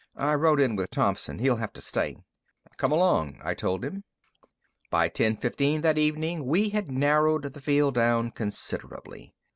I rode in with Thompson; he'll have to stay." "Come along," I told him. By ten fifteen that evening, we had narrowed the field down considerably.